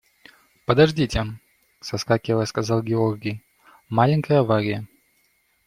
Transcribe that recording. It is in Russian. – Подождите, – соскакивая, сказал Георгий, – маленькая авария.